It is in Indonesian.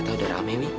ternyata udah rame ini